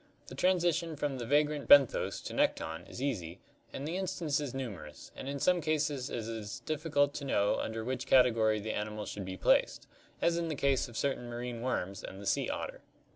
The transition from the vagrant benthos to nekton is easy and the instances numerous, and in some cases it is difficult to know under which category the animal should be placed, as in the case of certain marine worms and the sea otter.